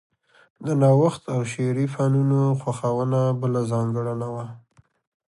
د نوښت او شعري فنونو خوښونه بله ځانګړنه وه